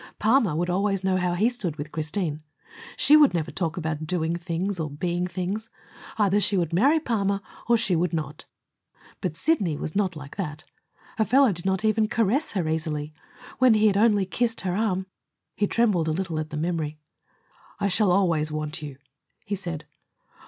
Palmer would always know how he stood with Christine. She would never talk about doing things, or being things. Either she would marry Palmer or she would not. But Sidney was not like that. A fellow did not even caress her easily. When he had only kissed her arm He trembled a little at the memory. "I shall always want you," he said.